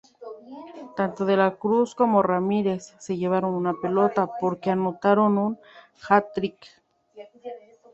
Tanto De La Cruz como Ramírez se llevaron una pelota, porque anotaron un hat-trick.